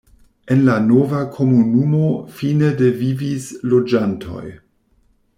En la nova komunumo fine de vivis loĝantoj.